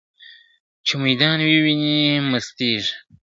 چي ميدان ويني مستيږي !.